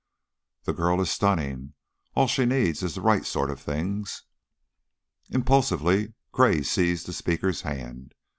"The girl is stunning. All she needs is the right sort of things " Impulsively Gray seized the speaker's hand.